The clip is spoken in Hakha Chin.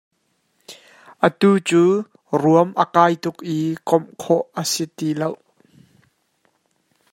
Atu cu ruam a kai tuk i komh khawh a si ti lo.